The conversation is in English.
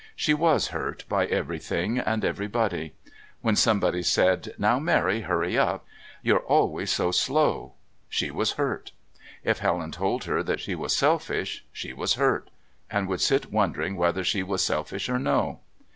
She was hurt by everything and everybody. When somebody said: "Now, Mary, hurry up. You're always so slow," she was hurt. If Helen told her that she was selfish, she was hurt, and would sit wondering whether she was selfish or no.